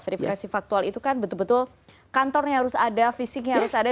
verifikasi faktual itu kan betul betul kantornya harus ada fisiknya harus ada